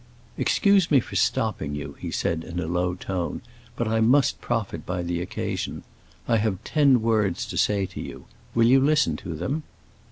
"Excuse me for stopping you," he said in a low tone, "but I must profit by the occasion. I have ten words to say to you. Will you listen to them?"